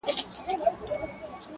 نه محفل كي ګناهونه ياغي كېږي٫